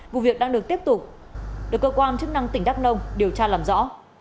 vụ việc đang được tiếp tục được cơ quan chức năng tỉnh đắk nông điều tra làm rõ